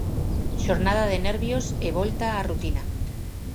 Xornada de nervios e volta á rutina.